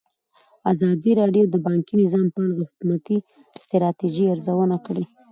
ازادي راډیو د بانکي نظام په اړه د حکومتي ستراتیژۍ ارزونه کړې.